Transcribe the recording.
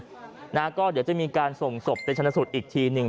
เดี๋ยวจะมีการส่งศพไปชนะสูตรอีกทีหนึ่ง